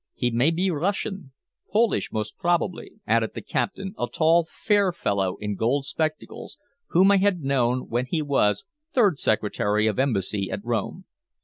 "He may be Russian Polish most probably," added the captain, a tall, fair fellow in gold spectacles, whom I had known when he was third secretary of Embassy at Rome.